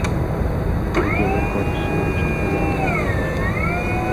Sudyalar korpusiga uch nafar yangi vakil qo‘shildi